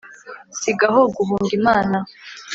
sigaho guhunga imana